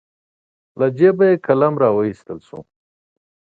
له جېبې قلم راواييستل شو.